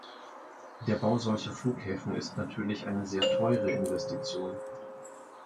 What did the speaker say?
Der Bau solcher Flughäfen ist natürlich eine sehr teure Investition.